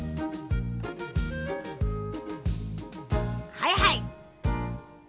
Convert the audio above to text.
はいはい。